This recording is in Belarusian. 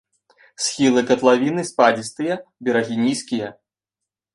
Схілы катлавіны спадзістыя, берагі нізкія.